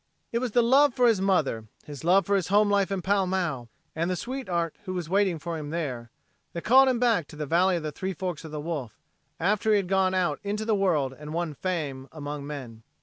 It was the love for his mother, his love of his homelife in Pall Mall and the sweetheart who was waiting for him there that called him back to the "Valley of the Three Forks o' the Wolf" after he had gone out into the world and won fame among men.